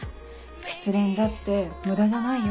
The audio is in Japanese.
失恋だって無駄じゃないよ。